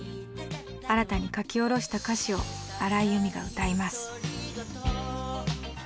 新たに書き下ろした歌詞を荒井由実が歌います。